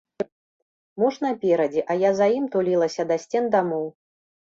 Муж наперадзе, а я за ім тулілася да сцен дамоў.